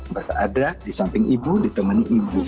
berada di samping ibu ditemani ibu